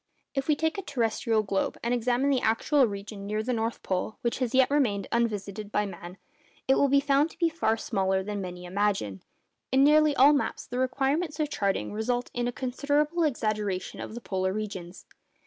If we take a terrestrial globe, and examine the actual region near the North Pole which has as yet remained unvisited by man, it will be found to be far smaller than many imagine. In nearly all maps the requirements of charting result in a considerable exaggeration of the polar regions.